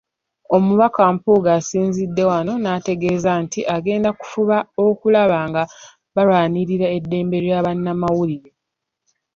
Omubaka Mpuuga asinzidde wano n'ategeeza nti agenda kufuba okulaba nga balwanirira eddembe lya bannamawulire.